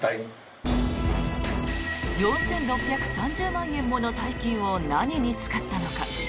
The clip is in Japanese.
４６３０万円もの大金を何に使ったのか。